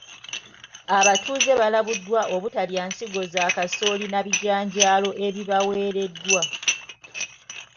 Abatuuze balabuddwa obutalya nsigo za kasooli na bijanjaalo ebibaweereddwa.